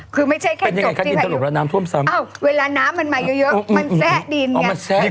คือไม่ใช่แค่จบที่ภัยวิวอ้าวเวลาน้ำมันมาเยอะมันแทรกดิน